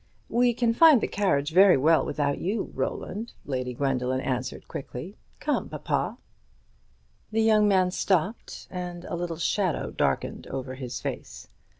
"We can find the carriage very well without you, Roland," Lady Gwendoline answered quickly. "Come, papa." The young man stopped, and a little shadow darkened over his face.